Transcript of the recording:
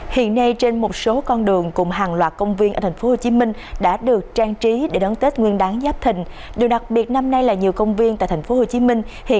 hiện nay trên một số con đường cùng hàng loạt công viên ở thành phố hồ chí minh đã được trang trí để đón tết nguyên đáng giáp thịnh điều đặc biệt năm nay là nhiều công viên tại thành phố hồ chí minh